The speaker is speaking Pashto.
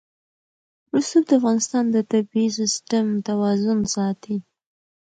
رسوب د افغانستان د طبعي سیسټم توازن ساتي.